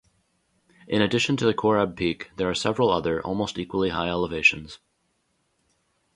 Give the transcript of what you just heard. In addition to the Korab peak, there are several other, almost equally high elevations.